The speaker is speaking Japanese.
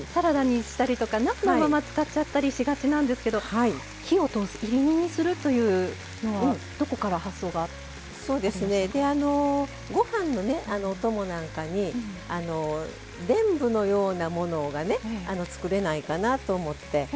ツナ缶といいますとねつい、サラダにしたとか生のまま使っちゃったりしがちなんですけど火を通すいり煮にするというのはご飯のお供なんかにでんぷのようなものが作れないかなと思って。